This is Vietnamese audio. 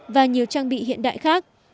và nhiều trang bị hiện đại khác